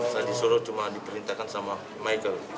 saya disuruh cuma diperintahkan sama michael